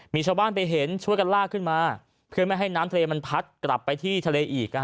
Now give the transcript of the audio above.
มีชาวบ้านไปเห็นช่วยกันลากขึ้นมาเพื่อไม่ให้น้ำทะเลมันพัดกลับไปที่ทะเลอีก